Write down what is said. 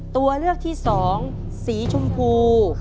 ตัวเลือกที่สองสีชมพู